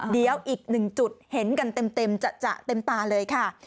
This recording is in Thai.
เดี๋ยวอีกหนึ่งจุดเห็นกันเต็มจะเต็มตาเลยค่ะ